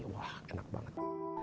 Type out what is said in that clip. wah enak banget